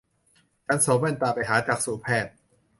ฉันสวมแว่นตาไปหาจักษุแพทย์